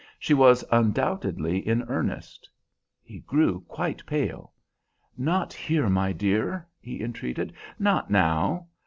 She was undoubtedly in earnest. He grew quite pale. "Not here, my dear," he entreated; "not now.